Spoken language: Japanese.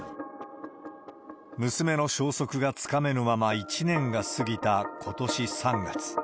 娘の消息がつかめぬまま１年が過ぎたことし３月。